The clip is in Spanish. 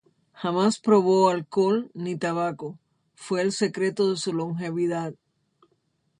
Jamás probó alcohol ni tabaco, fue el secreto de su longevidad.